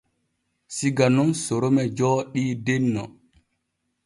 Siga nun Sorome jooɗii denno.